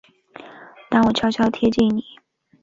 当我悄悄贴近你